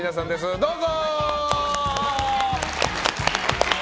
どうぞ。